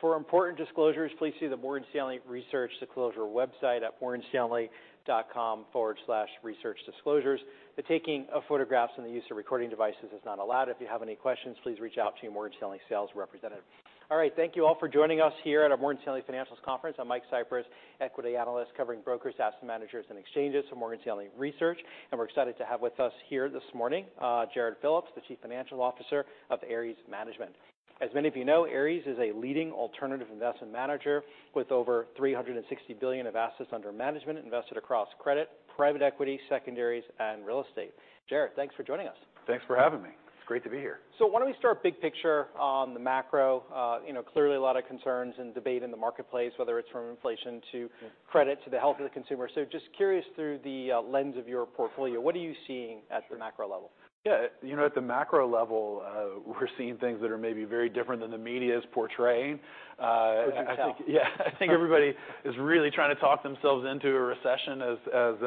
For important disclosures, please see the Morgan Stanley Research Disclosure website at morganstanley.com/researchdisclosures. The taking of photographs and the use of recording devices is not allowed. If you have any questions, please reach out to your Morgan Stanley sales representative. Thank you all for joining us here at our Morgan Stanley Financials Conference. I'm Mike Cyprys, Equity Analyst, covering brokers, asset managers, and exchanges for Morgan Stanley Research. We're excited to have with us here this morning, Jarrod Phillips, the Chief Financial Officer of Ares Management. As many of you know, Ares is a leading alternative investment manager with over $360 billion of assets under management, invested across credit, private equity, secondaries, and real estate. Jarrod, thanks for joining us. Thanks for having me. It's great to be here. Why don't we start big picture on the macro? you know, clearly a lot of concerns and debate in the marketplace, whether it's from inflation. Yeah credit, to the health of the consumer. Just curious, through the lens of your portfolio, what are you seeing at the macro level? Yeah. You know, at the macro level, we're seeing things that are maybe very different than the media is portraying. Which I think- I think everybody is really trying to talk themselves into a recession as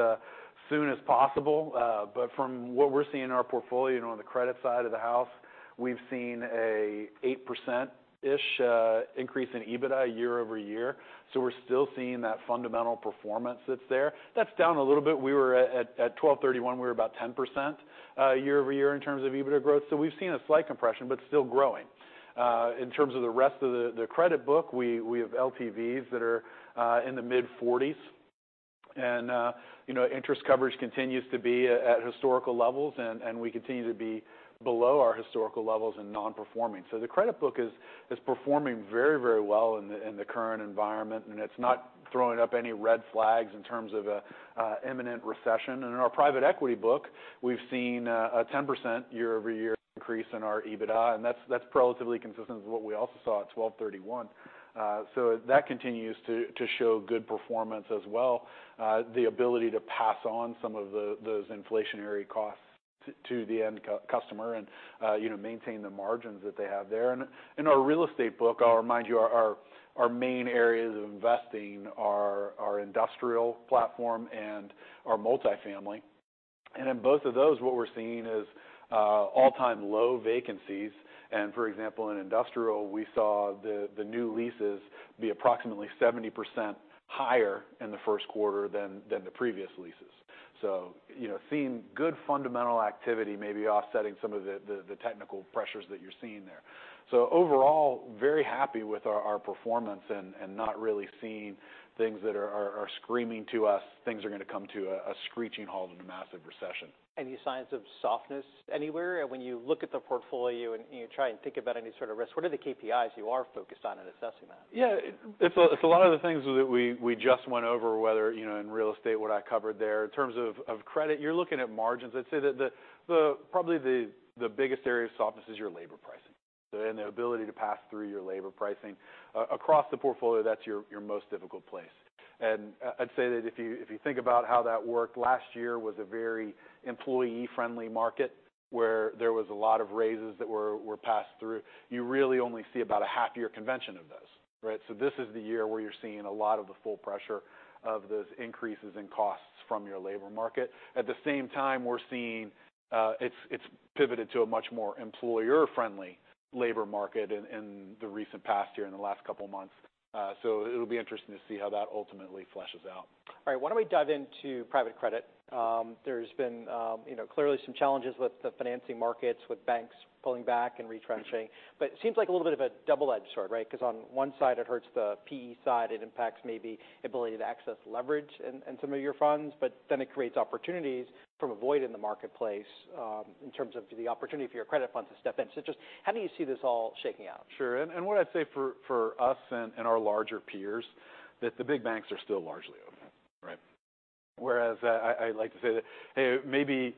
soon as possible. From what we're seeing in our portfolio, you know, on the credit side of the house, we've seen a 8%-ish increase in EBITDA year-over-year. We're still seeing that fundamental performance that's there. That's down a little bit. We were at December 31, we were about 10% year-over-year in terms of EBITDA growth. We've seen a slight compression, but still growing. In terms of the rest of the credit book, we have LTVs that are in the mid-40s. Interest coverage continues to be at historical levels, and we continue to be below our historical levels in non-performing. The credit book is performing very, very well in the current environment, and it's not throwing up any red flags in terms of a imminent recession. In our private equity book, we've seen a 10% year-over-year increase in our EBITDA, and that's relatively consistent with what we also saw at December 31. That continues to show good performance as well. The ability to pass on some of those inflationary costs to the end customer and, you know, maintain the margins that they have there. In our real estate book, I'll remind you, our main areas of investing are our industrial platform and our multifamily. In both of those, what we're seeing is all-time low vacancies. For example, in industrial, we saw the new leases be approximately 70% higher in the first quarter than the previous leases. You know, seeing good fundamental activity may be offsetting some of the technical pressures that you're seeing there. Overall, very happy with our performance and not really seeing things that are screaming to us, things are gonna come to a screeching halt in a massive recession. Any signs of softness anywhere? When you look at the portfolio and you try and think about any sort of risks, what are the KPIs you are focused on in assessing that? Yeah, It's a lot of the things that we just went over, whether, you know, in real estate, what I covered there. In terms of credit, you're looking at margins. I'd say that the probably the biggest area of softness is your labor pricing, and the ability to pass through your labor pricing. Across the portfolio, that's your most difficult place. I'd say that if you think about how that worked, last year was a very employee-friendly market, where there was a lot of raises that were passed through. You really only see about a half-year convention of this, right? This is the year where you're seeing a lot of the full pressure of those increases in costs from your labor market. At the same time, we're seeing, it's pivoted to a much more employer-friendly labor market in the recent past year, in the last couple of months. It'll be interesting to see how that ultimately fleshes out. All right. Why don't we dive into private credit? There's been, you know, clearly some challenges with the financing markets, with banks pulling back and retrenching, but it seems like a little bit of a double-edged sword, right? Because on one side, it hurts the PE side, it impacts maybe ability to access leverage in some of your funds, but then it creates opportunities from a void in the marketplace, in terms of the opportunity for your credit funds to step in. Just how do you see this all shaking out? What I'd say for us and our larger peers, that the big banks are still largely open, right? Whereas, I'd like to say that, hey, maybe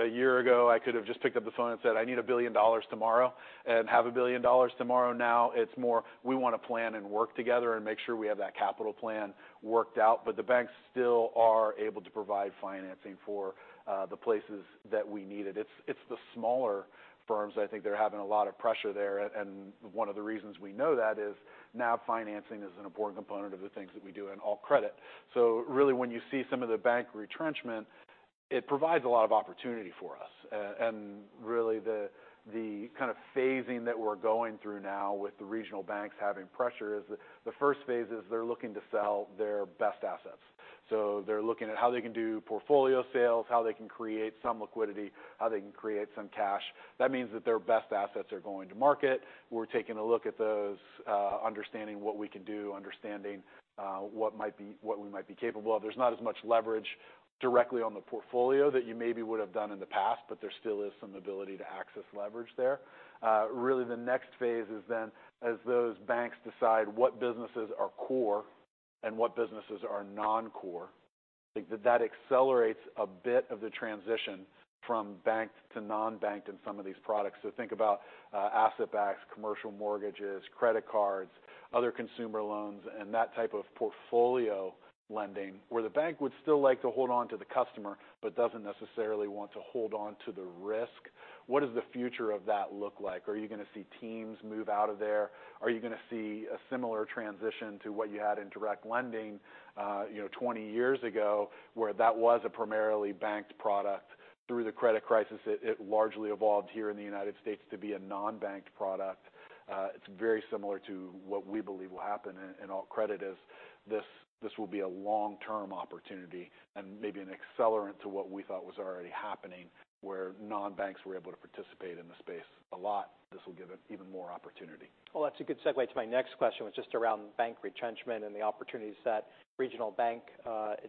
a year ago, I could have just picked up the phone and said, "I need $1 billion tomorrow," and have $1 billion tomorrow. Now, it's more we want to plan and work together and make sure we have that capital plan worked out. The banks still are able to provide financing for the places that we need it. It's the smaller firms, I think they're having a lot of pressure there. One of the reasons we know that is now financing is an important component of the things that we do in all credit. Really, when you see some of the bank retrenchment, it provides a lot of opportunity for us. Really, the kind of phasing that we're going through now with the regional banks having pressure is the first phase is they're looking to sell their best assets. They're looking at how they can do portfolio sales, how they can create some liquidity, how they can create some cash. That means that their best assets are going to market. We're taking a look at those, understanding what we can do, understanding what we might be capable of. There's not as much leverage directly on the portfolio that you maybe would have done in the past, but there still is some ability to access leverage there. Really, the next phase is, as those banks decide what businesses are core and what businesses are non-core. I think that that accelerates a bit of the transition from banked to non-banked in some of these products. Think about asset-backed, commercial mortgages, credit cards, other consumer loans, and that type of portfolio lending, where the bank would still like to hold on to the customer, but doesn't necessarily want to hold on to the risk. What does the future of that look like? Are you gonna see teams move out of there? Are you gonna see a similar transition to what you had in direct lending, you know, 20 years ago, where that was a primarily banked product? Through the credit crisis, it largely evolved here in the United States to be a non-banked product. It's very similar to what we believe will happen in alternative credit, this will be a long-term opportunity and maybe an accelerant to what we thought was already happening, where non-banks were able to participate in the space a lot. This will give it even more opportunity. That's a good segue to my next question, was just around bank retrenchment and the opportunities that regional bank,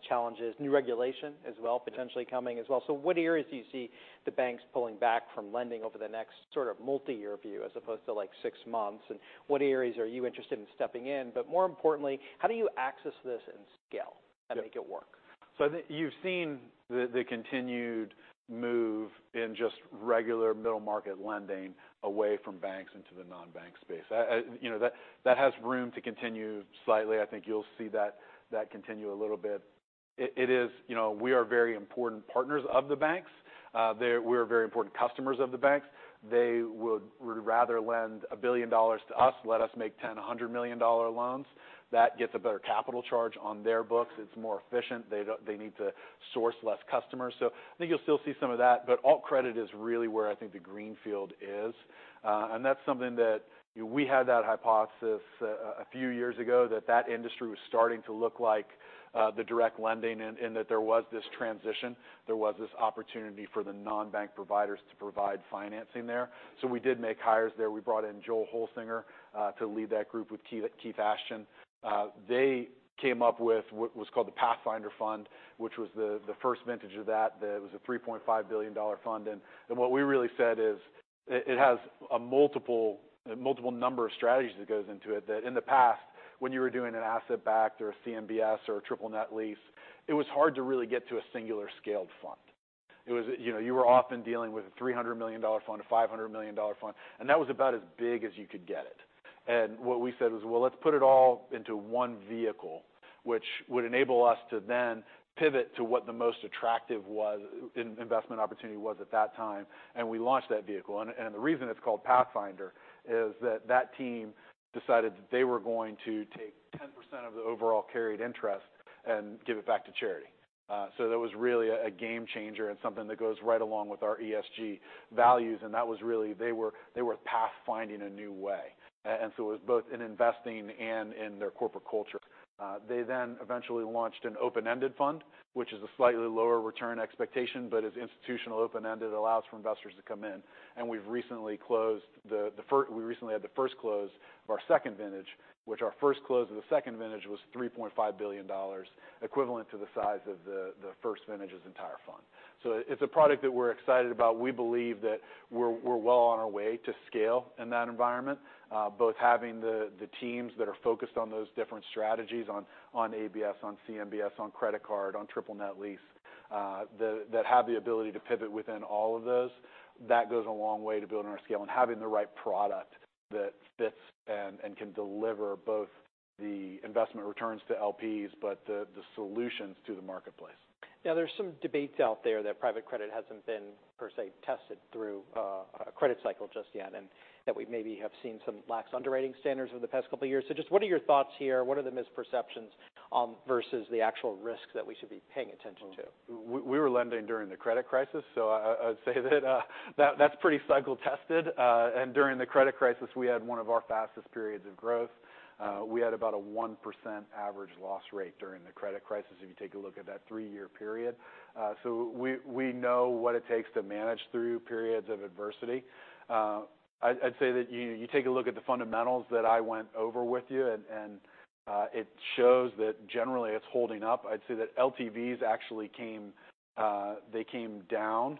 challenges, new regulation as well, potentially coming as well. What areas do you see the banks pulling back from lending over the next sort of multiyear view, as opposed to, like, six months? What areas are you interested in stepping in? More importantly, how do you access this and scale- Yeah make it work? I think you've seen the continued move in just regular middle-market lending away from banks into the non-bank space. You know, that has room to continue slightly. I think you'll see that continue a little bit. It is, you know, we are very important partners of the banks. We're very important customers of the banks. They would rather lend $1 billion to us, let us make 10, $100 million loans. That gets a better capital charge on their books. It's more efficient. They need to source less customers. I think you'll still see some of that, but alternative credit is really where I think the green field is. That's something that we had that hypothesis a few years ago, that industry was starting to look like the direct lending, in that there was this transition. There was this opportunity for the non-bank providers to provide financing there. We did make hires there. We brought in Joel Holsinger to lead that group with Keith Ashton. They came up with what was called the Pathfinder Fund, which was the first vintage of that. That was a $3.5 billion fund. What we really said is, it has a multiple number of strategies that goes into it, that in the past, when you were doing an asset-backed or a CMBS or a triple net lease, it was hard to really get to a singular scaled fund. You know, you were often dealing with a $300 million fund, a $500 million fund, that was about as big as you could get it. What we said was, "Well, let's put it all into one vehicle, which would enable us to then pivot to what the most attractive investment opportunity was at that time," we launched that vehicle. The reason it's called Pathfinder is that that team decided that they were going to take 10% of the overall carried interest and give it back to charity. That was really a game changer and something that goes right along with our ESG values, that was really pathfinding a new way, it was both in investing and in their corporate culture. They then eventually launched an open-ended fund, which is a slightly lower return expectation, but it's institutional open-ended, allows for investors to come in, and we've recently had the first close of our second vintage, which our first close of the second vintage was $3.5 billion, equivalent to the size of the first vintage's entire fund. It's a product that we're excited about. We believe that we're well on our way to scale in that environment, both having the teams that are focused on those different strategies, on ABS, on CMBS, on credit card, on triple net lease, that have the ability to pivot within all of those. That goes a long way to building our scale and having the right product that fits and can deliver both the investment returns to LPs, but the solutions to the marketplace. There's some debates out there that private credit hasn't been, per se, tested through a credit cycle just yet, and that we maybe have seen some lax underwriting standards over the past couple of years. Just what are your thoughts here? What are the misperceptions versus the actual risks that we should be paying attention to? We were lending during the credit crisis, so I'd say that's pretty cycle-tested. During the credit crisis, we had one of our fastest periods of growth. We had about a 1% average loss rate during the credit crisis, if you take a look at that three-year period. We know what it takes to manage through periods of adversity. I'd say that you take a look at the fundamentals that I went over with you, and it shows that generally it's holding up. I'd say that LTVs actually came, they came down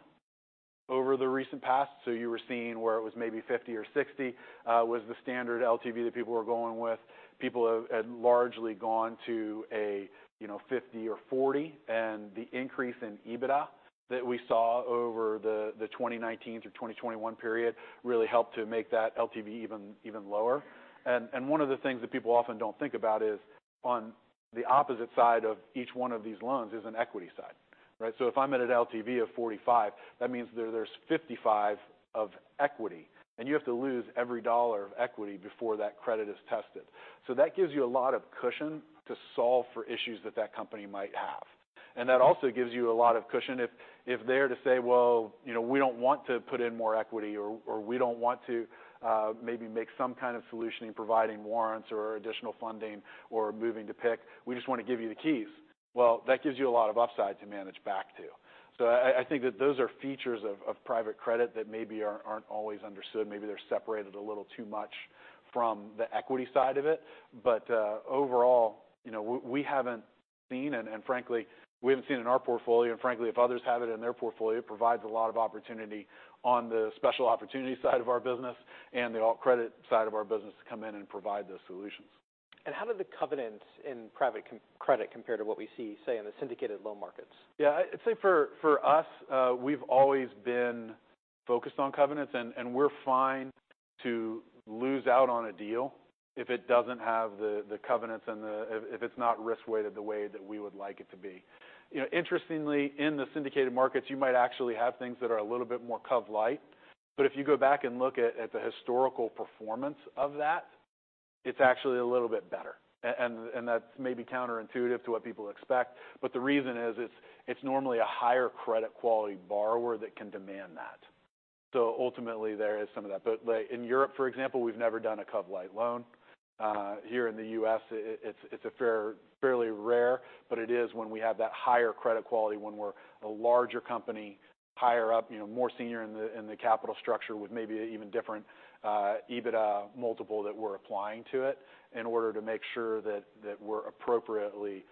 over the recent past, so you were seeing where it was maybe 50 or 60, was the standard LTV that people were going with. People had largely gone to a, you know, 50 or 40, and the increase in EBITDA that we saw over the 2019 through 2021 period, really helped to make that LTV even lower. One of the things that people often don't think about is, on the opposite side of each one of these loans is an equity side, right? If I'm at an LTV of 45, that means there's 55 of equity, and you have to lose every dollar of equity before that credit is tested. That gives you a lot of cushion to solve for issues that that company might have. That also gives you a lot of cushion if they're to say, "Well, you know, we don't want to put in more equity," or, "We don't want to, maybe make some kind of solution in providing warrants or additional funding or moving to PIK. We just want to give you the keys." That gives you a lot of upside to manage back to. I think that those are features of private credit that maybe aren't always understood. Maybe they're separated a little too much from the equity side of it. Overall, you know, we haven't seen and frankly, we haven't seen in our portfolio, and frankly, if others have it in their portfolio, it provides a lot of opportunity on the special opportunity side of our business and the alternative credit side of our business to come in and provide those solutions. How do the covenants in private credit compare to what we see, say, in the syndicated loan markets? I'd say for us, we've always been focused on covenants, and we're fine to lose out on a deal if it doesn't have the covenants and if it's not risk-weighted the way that we would like it to be. You know, interestingly, in the syndicated markets, you might actually have things that are a little bit more cov-lite, but if you go back and look at the historical performance of that, it's actually a little bit better. And that's maybe counterintuitive to what people expect, but the reason is, it's normally a higher credit quality borrower that can demand that. So ultimately, there is some of that. But, like, in Europe, for example, we've never done a cov-lite loan. Here in the U.S., it's a fairly rare, but it is when we have that higher credit quality, when we're a larger company, higher up, you know, more senior in the, in the capital structure, with maybe an even different EBITDA multiple that we're applying to it in order to make sure that we're appropriately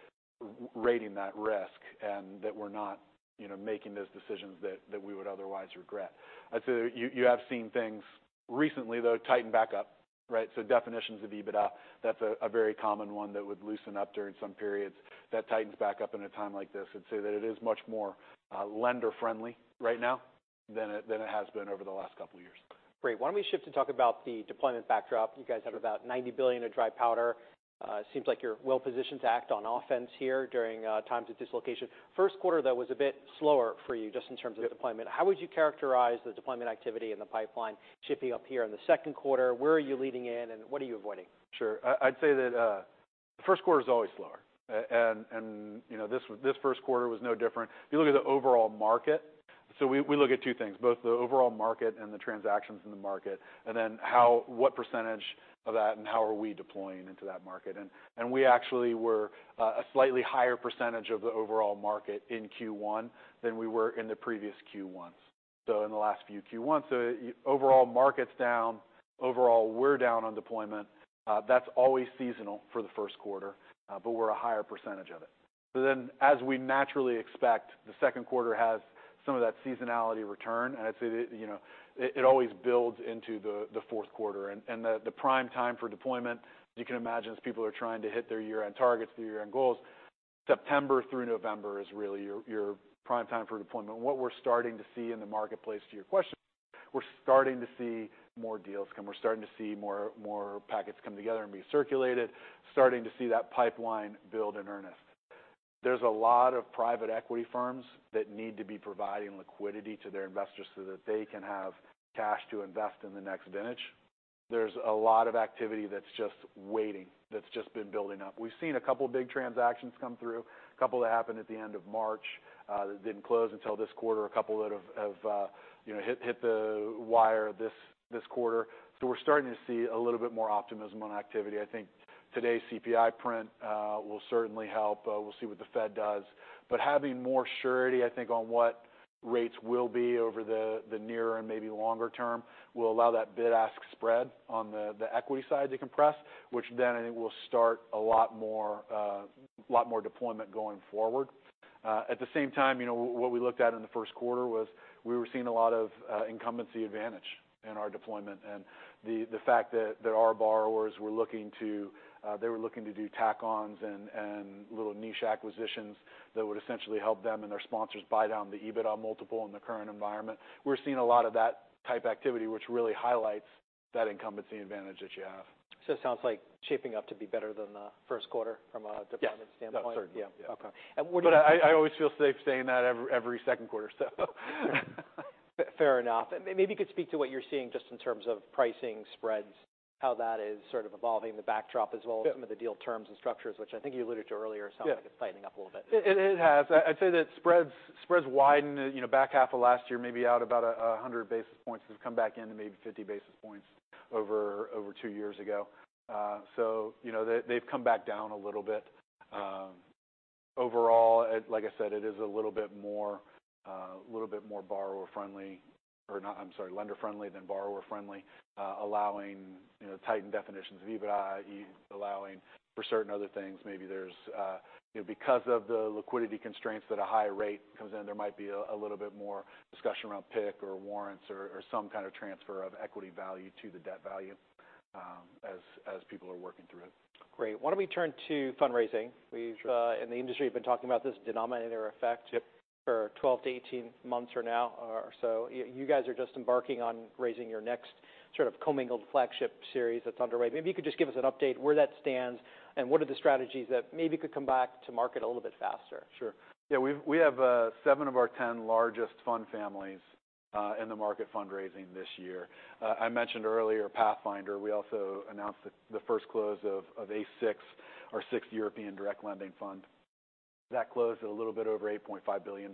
rating that risk, and that we're not, you know, making those decisions that we would otherwise regret. I'd say that you have seen things recently, though, tighten back up, right? Definitions of EBITDA, that's a very common one that would loosen up during some periods. That tightens back up in a time like this. I'd say that it is much more lender-friendly right now than it, than it has been over the last couple of years. Great. Why don't we shift and talk about the deployment backdrop? You guys have about $90 billion of dry powder. Seems like you're well positioned to act on offense here during times of dislocation. First quarter, though, was a bit slower for you, just in terms- Yep of deployment. How would you characterize the deployment activity in the pipeline shifting up here in the second quarter? Where are you leading in, and what are you avoiding? Sure. I'd say that the first quarter is always slower. You know, this first quarter was no different. If you look at the overall market... We look at two things, both the overall market and the transactions in the market, and then what percentage of that, and how are we deploying into that market? We actually were a slightly higher percentage of the overall market in Q1 than we were in the previous Q1s, so in the last few Q1s. Overall market's down. Overall, we're down on deployment. That's always seasonal for the first quarter, but we're a higher percentage of it. As we naturally expect, the second quarter has some of that seasonality return, and I'd say that, you know, it always builds into the fourth quarter. The prime time for deployment, you can imagine, as people are trying to hit their year-end targets, their year-end goals, September through November is really your prime time for deployment. What we're starting to see in the marketplace, to your question, we're starting to see more deals come. We're starting to see more packets come together and be circulated, starting to see that pipeline build in earnest. There's a lot of private equity firms that need to be providing liquidity to their investors so that they can have cash to invest in the next vintage. There's a lot of activity that's just waiting, that's just been building up. We've seen a couple of big transactions come through, a couple that happened at the end of March, that didn't close until this quarter, a couple that have, you know, hit the wire this quarter. We're starting to see a little bit more optimism on activity. I think today's CPI print will certainly help. We'll see what the Fed does. Having more surety, I think, on what rates will be over the near and maybe longer term, will allow that bid-ask spread on the equity side to compress, which then I think will start a lot more deployment going forward. At the same time, you know, what we looked at in the first quarter was we were seeing a lot of incumbency advantage in our deployment and the fact that our borrowers were looking to, they were looking to do tack-ons and little niche acquisitions that would essentially help them and their sponsors buy down the EBITDA multiple in the current environment. We're seeing a lot of that type activity, which really highlights that incumbency advantage that you have. It sounds like shaping up to be better than the first quarter from a deployment standpoint? Yes. No, certainly. Yeah. Okay. What? I always feel safe saying that every second quarter, so. Fair enough. maybe you could speak to what you're seeing just in terms of pricing spreads, how that is sort of evolving the backdrop, as well as. Yep Some of the deal terms and structures, which I think you alluded to earlier. Yep. It sounds like it's tightening up a little bit. It has. I'd say that spreads widened, you know, back half of last year, maybe out about 100 basis points, have come back in to maybe 50 basis points over two years ago. You know, they've come back down a little bit. Overall, it, like I said, it is a little bit more, little bit more borrower-friendly, or not, I'm sorry, lender-friendly than borrower-friendly, allowing, you know, tightened definitions of EBITDA, allowing for certain other things. Maybe there's, you know, because of the liquidity constraints that a higher rate comes in, there might be a little bit more discussion around PIK or warrants or some kind of transfer of equity value to the debt value, as people are working through it. Great. Why don't we turn to fundraising? Sure. We've, in the industry, have been talking about this denominator effect. Yep For 12 to 18 months or now, or so. You guys are just embarking on raising your next sort of commingled flagship series that's underway. Maybe you could just give us an update where that stands? What are the strategies that maybe could come back to market a little bit faster? Yeah, we've, we have seven of our 10 largest fund families in the market fundraising this year. I mentioned earlier, Pathfinder, we also announced the first close of ACE VI, our sixth European direct lending fund. That closed at a little bit over $8.5 billion.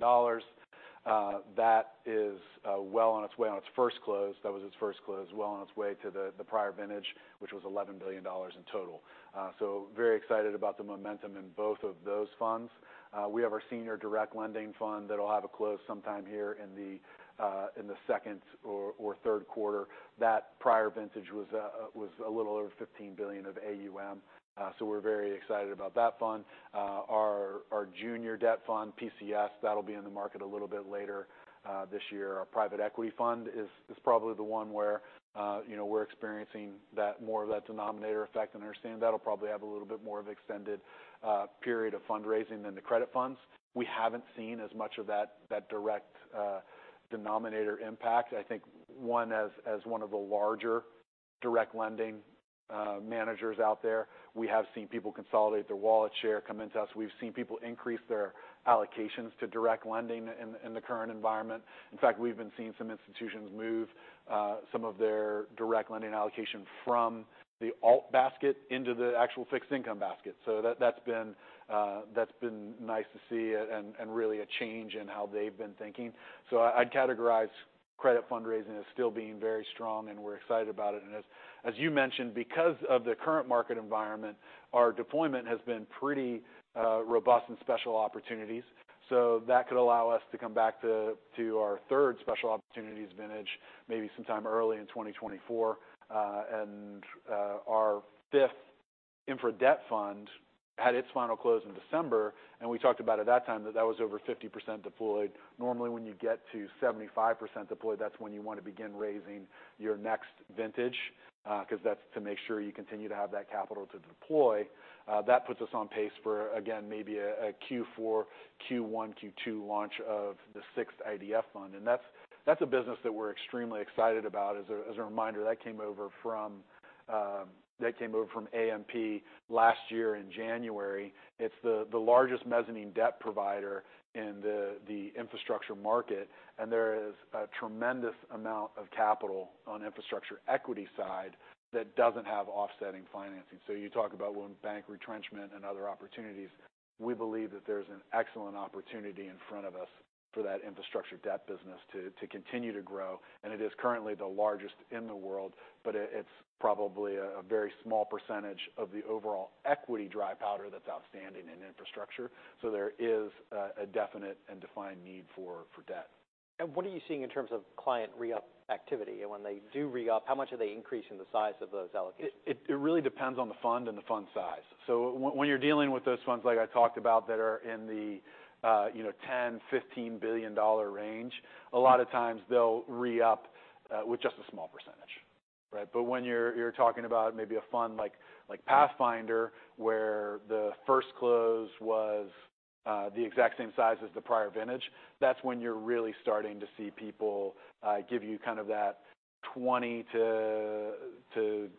That is well on its way on its first close, well on its way to the prior vintage, which was $11 billion in total. Very excited about the momentum in both of those funds. We have our senior direct lending fund that'll have a close sometime here in the second or third quarter. That prior vintage was a little over $15 billion of AUM. We're very excited about that fund. Our junior debt fund, PCS, that'll be in the market a little bit later this year. Our private equity fund is probably the one where, you know, we're experiencing that, more of that denominator effect and understand that'll probably have a little bit more of extended period of fundraising than the credit funds. We haven't seen as much of that direct denominator impact. I think one, as one of the larger direct lending managers out there. We have seen people consolidate their wallet share come into us. We've seen people increase their allocations to direct lending in the current environment. In fact, we've been seeing some institutions move some of their direct lending allocation from the alt basket into the actual fixed income basket. That's been nice to see, and really a change in how they've been thinking. I'd categorize credit fundraising as still being very strong, and we're excited about it. As you mentioned, because of the current market environment, our deployment has been pretty robust in Special Opportunities. That could allow us to come back to our third Special Opportunities vintage, maybe sometime early in 2024. Our fifth Infrastructure Debt Fund had its final close in December, and we talked about at that time that was over 50% deployed. Normally, when you get to 75% deployed, that's when you want to begin raising your next vintage, 'cause that's to make sure you continue to have that capital to deploy. That puts us on pace for, again, maybe a Q4, Q1, Q2 launch of the sixth IDF fund, and that's a business that we're extremely excited about. As a reminder, that came over from AMP last year in January. It's the largest mezzanine debt provider in the infrastructure market, and there is a tremendous amount of capital on infrastructure equity side that doesn't have offsetting financing. You talk about when bank retrenchment and other opportunities, we believe that there's an excellent opportunity in front of us for that infrastructure debt business to continue to grow. It is currently the largest in the world, but it's probably a very small percentage of the overall equity dry powder that's outstanding in infrastructure. There is a definite and defined need for debt. What are you seeing in terms of client re-up activity? When they do re-up, how much are they increasing the size of those allocations? It really depends on the fund and the fund size. When you're dealing with those funds, like I talked about, that are in the, you know, $10 billion-$15 billion range, a lot of times they'll re-up with just a small percentage, right? But when you're talking about maybe a fund like Pathfinder, where the first close was the exact same size as the prior vintage, that's when you're really starting to see people give you kind of that 20%-80%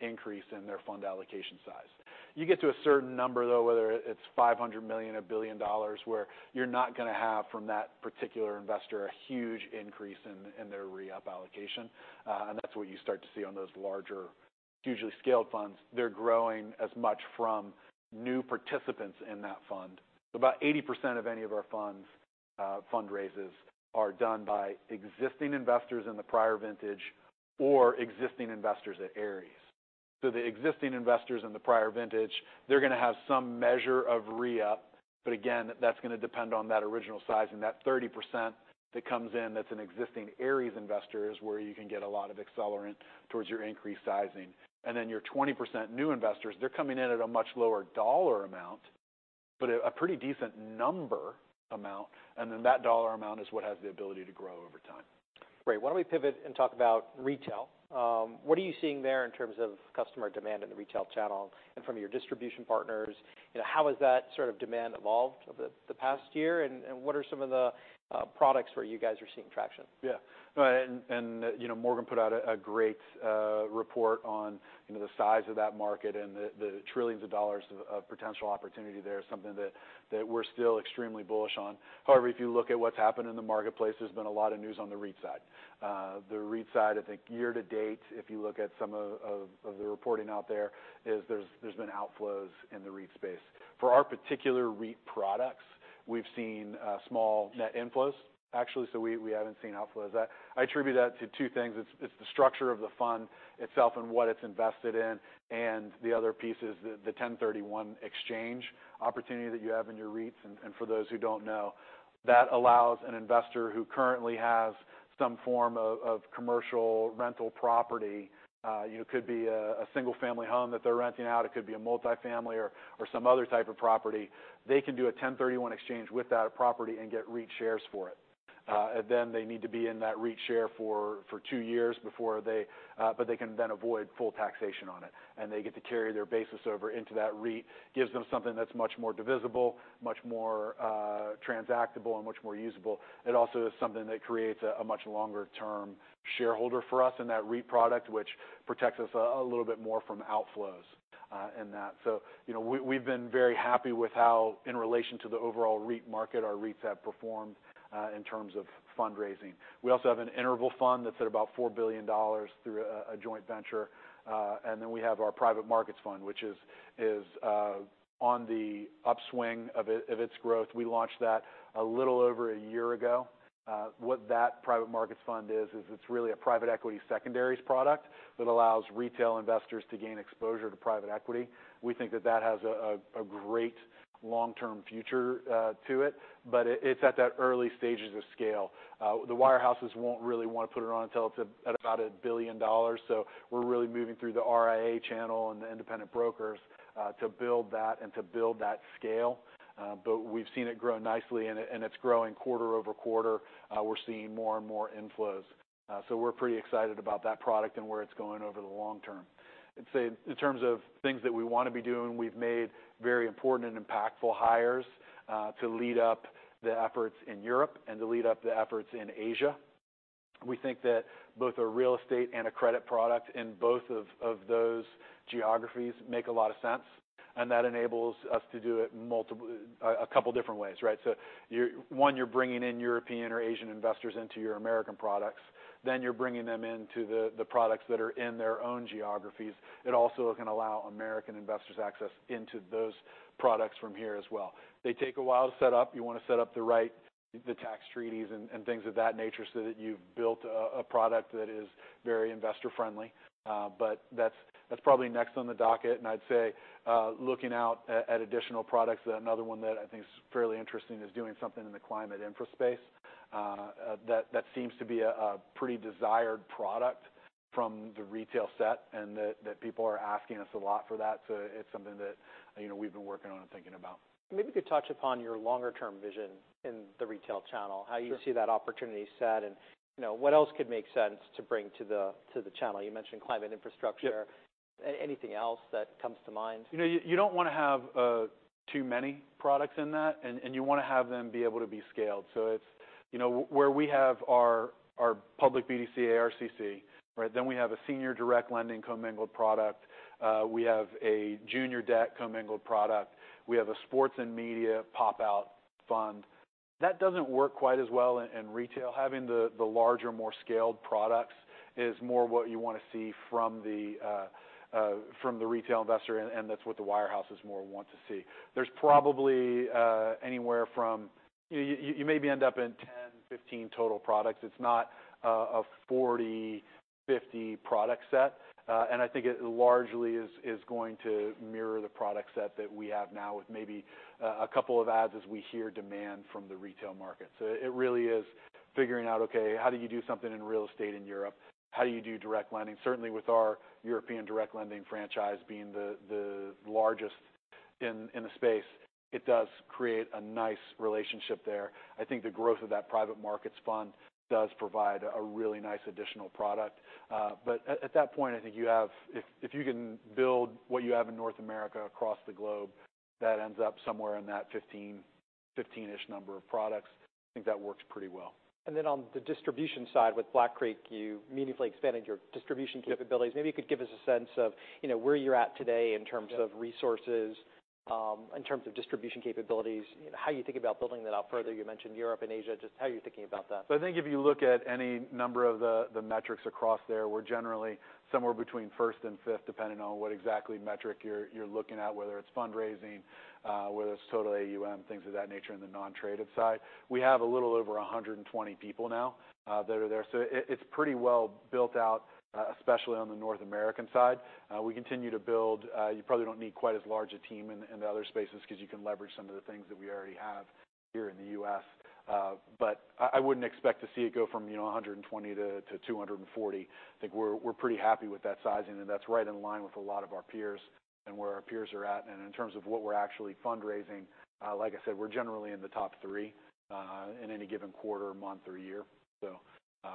increase in their fund allocation size. You get to a certain number, though, whether it's $500 million-$1 billion, where you're not gonna have, from that particular investor, a huge increase in their re-up allocation. That's what you start to see on those larger, hugely scaled funds. They're growing as much from new participants in that fund. About 80% of any of our funds, fundraises are done by existing investors in the prior vintage or existing investors at Ares. The existing investors in the prior vintage, they're gonna have some measure of re-up. Again, that's gonna depend on that original size. That 30% that comes in, that's an existing Ares investor, is where you can get a lot of accelerant towards your increased sizing. Your 20% new investors, they're coming in at a much lower dollar amount, but a pretty decent number amount, and then that dollar amount is what has the ability to grow over time. Great. Why don't we pivot and talk about retail? What are you seeing there in terms of customer demand in the retail channel and from your distribution partners? You know, how has that sort of demand evolved over the past year, and what are some of the products where you guys are seeing traction? You know, Morgan Stanley put out a great report on, you know, the size of that market and the trillions of dollars potential opportunity there, something that we're still extremely bullish on. However, if you look at what's happened in the marketplace, there's been a lot of news on the REIT side. The REIT side, I think year to date, if you look at some of the reporting out there's been outflows in the REIT space. For our particular REIT products, we've seen small net inflows, actually, so we haven't seen outflows. I attribute that to two things. It's the structure of the fund itself and what it's invested in, and the other piece is the 1031 exchange opportunity that you have in your REITs. For those who don't know, that allows an investor who currently has some form of commercial rental property, you know, could be a single-family home that they're renting out, it could be a multifamily or some other type of property. They can do a 1031 exchange with that property and get REIT shares for it. Then they need to be in that REIT share for two years before they can then avoid full taxation on it, and they get to carry their basis over into that REIT. Gives them something that's much more divisible, much more transactable, and much more usable. It also is something that creates a much longer-term shareholder for us in that REIT product, which protects us a little bit more from outflows in that. You know, we've been very happy with how, in relation to the overall REIT market, our REITs have performed in terms of fundraising. We also have an interval fund that's at about $4 billion through a joint venture. We have our private markets fund, which is on the upswing of its growth. We launched that a little over a year ago. What that private markets fund is it's really a private equity secondaries product that allows retail investors to gain exposure to private equity. We think that that has a great long-term future to it, but it's at that early stages of scale. The wirehouses won't really want to put it on until it's at about $1 billion. We're really moving through the RIA channel and the independent brokers to build that and to build that scale. We've seen it grow nicely, and it's growing quarter-over-quarter. We're seeing more and more inflows. We're pretty excited about that product and where it's going over the long term. I'd say in terms of things that we want to be doing, we've made very important and impactful hires to lead up the efforts in Europe and to lead up the efforts in Asia. We think that both a real estate and a credit product in both of those geographies make a lot of sense, and that enables us to do it multiple, a couple different ways, right? You're one, you're bringing in European or Asian investors into your American products. You're bringing them into the products that are in their own geographies. It also can allow American investors access into those products from here as well. They take a while to set up. You want to set up the right tax treaties and things of that nature so that you've built a product that is very investor-friendly. That's probably next on the docket. I'd say, looking out at additional products, another one that I think is fairly interesting is doing something in the climate infra space. That seems to be a pretty desired product from the retail set, and people are asking us a lot for that. It's something that, you know, we've been working on and thinking about. Maybe you could touch upon your longer-term vision in the retail channel? Sure. How you see that opportunity set, and, you know, what else could make sense to bring to the channel? You mentioned climate infrastructure. Yep. Anything else that comes to mind? You know, you don't want to have too many products in that, and you want to have them be able to be scaled. It's, you know, where we have our public BDC, ARCC, right, we have a senior direct lending commingled product. We have a junior debt commingled product. We have a sports and media pop-out fund. That doesn't work quite as well in retail. Having the larger, more scaled products is more what you want to see from the retail investor, and that's what the wirehouses more want to see. There's probably anywhere from... you maybe end up in 10, 15 total products. It's not a 40, 50 product set. I think it largely is going to mirror the product set that we have now, with maybe a couple of adds as we hear demand from the retail market. It really is figuring out, okay, how do you do something in real estate in Europe? How do you do direct lending? Certainly, with our European direct lending franchise being the largest in the space, it does create a nice relationship there. I think the growth of that private markets fund does provide a really nice additional product. At that point, I think you have if you can build what you have in North America across the globe, that ends up somewhere in that 15-ish number of products. I think that works pretty well. On the distribution side, with Black Creek, you meaningfully expanded your distribution capabilities. Yep. Maybe you could give us a sense of, you know, where you're at today in terms-? Yep of resources, in terms of distribution capabilities, how you think about building that out further. You mentioned Europe and Asia. How are you thinking about that? I think if you look at any number of the metrics across there, we're generally somewhere between first and fifth, depending on what exactly metric you're looking at, whether it's fundraising, whether it's total AUM, things of that nature in the non-traded side. We have a little over 120 people now that are there, so it's pretty well built out, especially on the North American side. We continue to build. You probably don't need quite as large a team in the other spaces because you can leverage some of the things that we already have here in the US. I wouldn't expect to see it go from, you know, 120 to 240. I think we're pretty happy with that sizing, that's right in line with a lot of our peers and where our peers are at. In terms of what we're actually fundraising, like I said, we're generally in the top three in any given quarter, month, or year.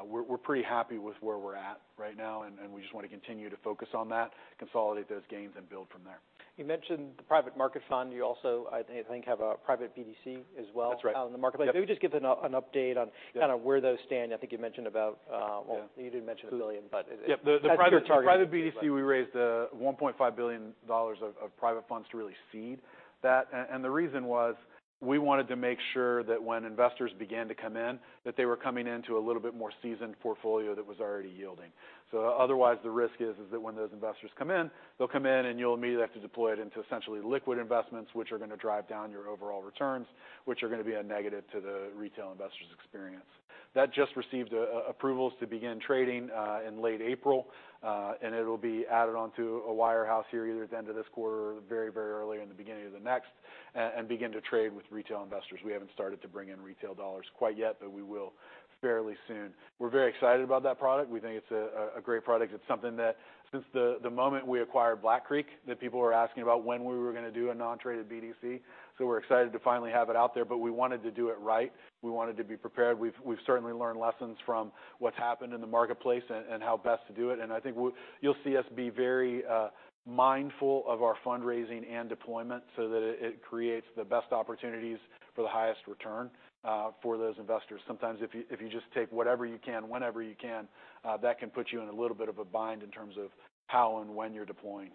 We're pretty happy with where we're at right now, and we just want to continue to focus on that, consolidate those gains, and build from there. You mentioned the private market fund. You also, I think, have a private BDC as well. That's right. out in the marketplace. Yep. Maybe just give an update on. Yep kind of where those stand. I think you mentioned about, Yeah Well, you didn't mention $1 billion, but. Yep. The. That's your target. The private BDC, we raised $1.5 billion of private funds to really seed that. The reason was, we wanted to make sure that when investors began to come in, that they were coming into a little bit more seasoned portfolio that was already yielding. Otherwise, the risk is that when those investors come in, they'll come in, and you'll immediately have to deploy it into essentially liquid investments, which are going to drive down your overall returns, which are going to be a negative to the retail investors' experience. That just received approvals to begin trading in late April, and it'll be added onto a wirehouse here, either at the end of this quarter or very, very early in the beginning of the next, and begin to trade with retail investors. We haven't started to bring in retail dollars quite yet, but we will fairly soon. We're very excited about that product. We think it's a great product. It's something that since the moment we acquired Black Creek, that people were asking about when we were going to do a non-traded BDC. We're excited to finally have it out there, but we wanted to do it right. We wanted to be prepared. We've certainly learned lessons from what's happened in the marketplace and how best to do it. I think you'll see us be very mindful of our fundraising and deployment so that it creates the best opportunities for the highest return for those investors. Sometimes if you just take whatever you can, whenever you can, that can put you in a little bit of a bind in terms of how and when you're deploying.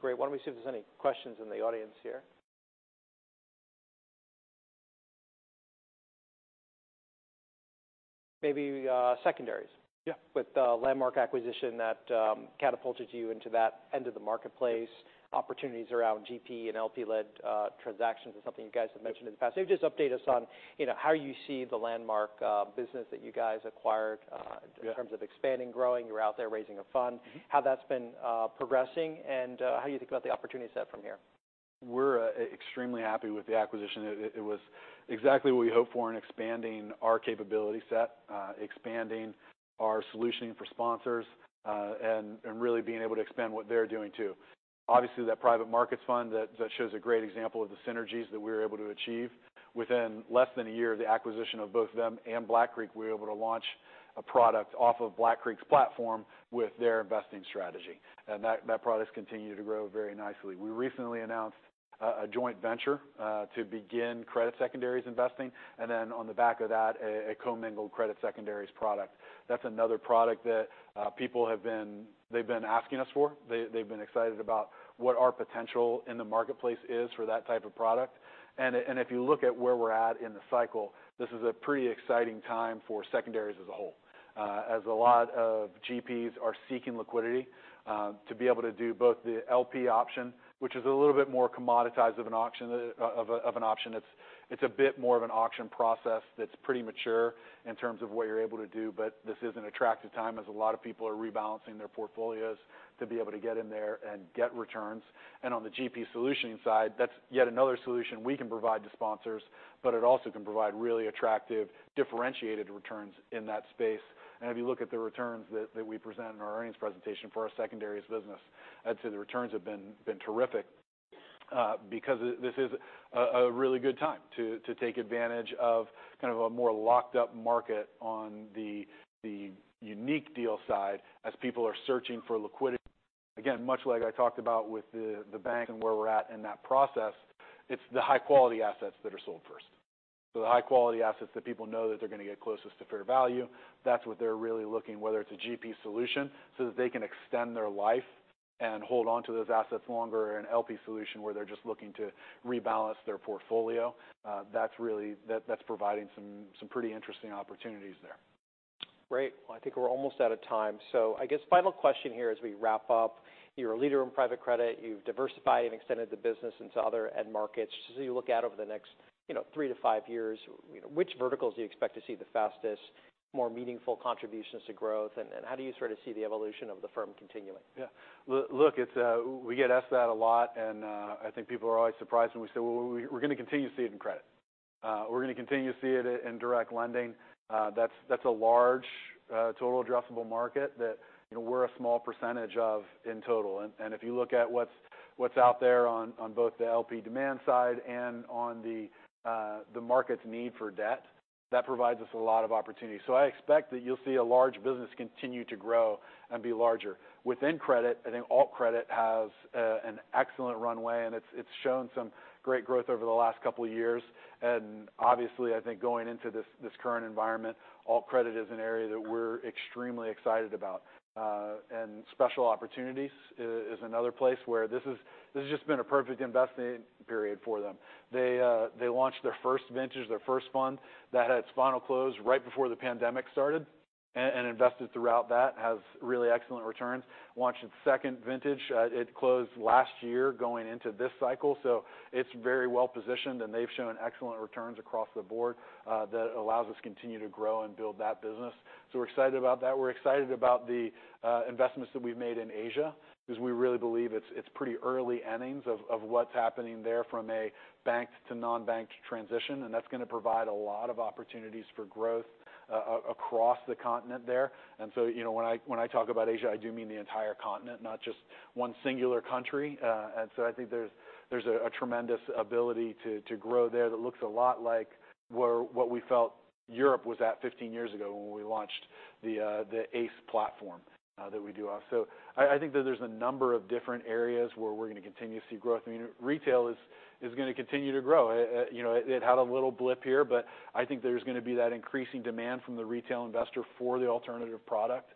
Great. Why don't we see if there's any questions in the audience here? Maybe, secondaries. Yeah. With the Landmark acquisition that catapulted you into that end of the marketplace, opportunities around GP and LP led transactions is something you guys have mentioned in the past. Just update us on, you know, how you see the Landmark business that you guys acquired-. Yeah in terms of expanding, growing. You're out there raising a fund. Mm-hmm. How that's been progressing, and how you think about the opportunity set from here. We're extremely happy with the acquisition. It was exactly what we hoped for in expanding our capability set, expanding our solutioning for sponsors, and really being able to expand what they're doing, too. obviously, that private markets fund, that shows a great example of the synergies that we were able to achieve. Within less than a year of the acquisition of both them and Black Creek, we were able to launch a product off of Black Creek's platform with their investing strategy. That product's continued to grow very nicely. We recently announced a joint venture to begin credit secondaries investing, and then on the back of that, a commingled credit secondaries product. That's another product that they've been asking us for. They've been excited about what our potential in the marketplace is for that type of product. If you look at where we're at in the cycle, this is a pretty exciting time for secondaries as a whole. As a lot of GPs are seeking liquidity to be able to do both the LP option, which is a little bit more commoditized of an auction, of an option. It's a bit more of an auction process that's pretty mature in terms of what you're able to do, but this is an attractive time, as a lot of people are rebalancing their portfolios to be able to get in there and get returns. On the GP solutioning side, that's yet another solution we can provide to sponsors, but it also can provide really attractive, differentiated returns in that space. If you look at the returns that we present in our earnings presentation for our secondaries business, I'd say the returns have been terrific, because this is a really good time to take advantage of kind of a more locked up market on the unique deal side, as people are searching for liquidity. Again, much like I talked about with the bank and where we're at in that process, it's the high-quality assets that are sold first. The high-quality assets that people know that they're gonna get closest to fair value, that's what they're really looking, whether it's a GP solution, so that they can extend their life and hold onto those assets longer, or an LP solution, where they're just looking to rebalance their portfolio. That's providing some pretty interesting opportunities there. Great. Well, I think we're almost out of time, so I guess final question here as we wrap up: You're a leader in private credit. You've diversified and extended the business into other end markets. As you look out over the next, you know, three-five years, you know, which verticals do you expect to see the fastest, more meaningful contributions to growth, and how do you sort of see the evolution of the firm continuing? Yeah. We get asked that a lot, and I think people are always surprised when we say, We're gonna continue to see it in credit. We're gonna continue to see it in direct lending." That's a large total addressable market that, you know, we're a small percentage of in total. And if you look at what's out there on both the LP demand side and on the market's need for debt, that provides us a lot of opportunity. I expect that you'll see a large business continue to grow and be larger. Within credit, I think alt credit has an excellent runway, and it's shown some great growth over the last couple of years. Obviously, I think going into this current environment, alt credit is an area that we're extremely excited about. And special opportunities is another place where this has just been a perfect investing period for them. They launched their first vintage, their first fund, that had its final close right before the pandemic started, and invested throughout that, has really excellent returns. Launched its second vintage, it closed last year, going into this cycle, so it's very well positioned, and they've shown excellent returns across the board, that allows us to continue to grow and build that business. We're excited about that. We're excited about the investments that we've made in Asia, because we really believe it's pretty early innings of what's happening there from a bank to non-bank transition, and that's gonna provide a lot of opportunities for growth across the continent there. You know, when I, when I talk about Asia, I do mean the entire continent, not just one singular country. I think there's a tremendous ability to grow there that looks a lot like what we felt Europe was at 15 years ago when we launched the ACE platform that we do also. I think that there's a number of different areas where we're gonna continue to see growth. I mean, retail is gonna continue to grow. you know, it had a little blip here, but I think there's gonna be that increasing demand from the retail investor for the alternative product.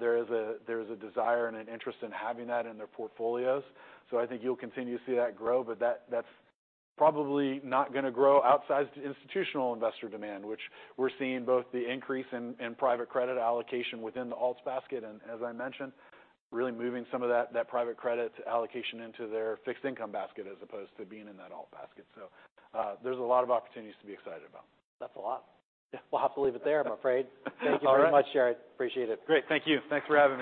There is a, there is a desire and an interest in having that in their portfolios, so I think you'll continue to see that grow. That, that's probably not gonna grow outside institutional investor demand, which we're seeing both the increase in private credit allocation within the alts basket, and as I mentioned, really moving some of that private credit allocation into their fixed income basket, as opposed to being in that alt basket. There's a lot of opportunities to be excited about. That's a lot. We'll have to leave it there, I'm afraid. All right. Thank you very much, Jarrod. Appreciate it. Great. Thank you. Thanks for having me.